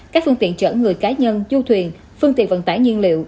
các phương tiện chở người cá nhân du thuyền phương tiện vận tải nhiên liệu